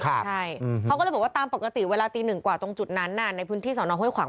ใช่เขาก็เลยบอกว่าตามปกติเวลาตีหนึ่งกว่าตรงจุดนั้นในพื้นที่สอนองห้วยขวาง